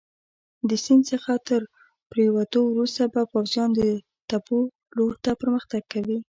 د سیند څخه تر پورېوتو وروسته به پوځیان د تپو لور ته پرمختګ کوي.